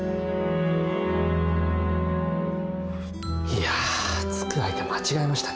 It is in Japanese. ・いやつく相手間違えましたね。